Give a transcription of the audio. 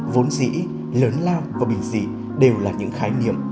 vốn dĩ lớn lao và bình dị đều là những khái niệm